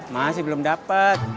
masih belum dapat